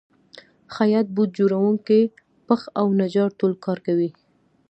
خیاط، بوټ جوړونکی، پښ او نجار ټول کار کوي